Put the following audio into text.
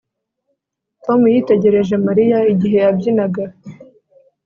Tom yitegereje Mariya igihe yabyinaga